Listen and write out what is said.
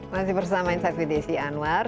masih bersama insight with desi anwar